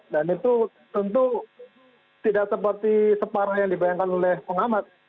dan itu tentu tidak seperti separoh yang dibayangkan oleh pengamat